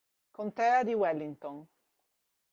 Contea di Wellington